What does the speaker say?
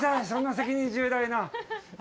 そんな責任重大な。